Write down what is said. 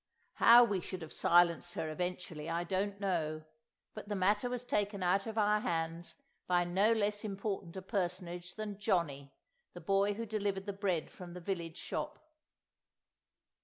How we should have silenced her eventually I don't know, but the matter was taken out of our hands by no less important a personage than Johnny, the boy who delivered the bread from the village shop.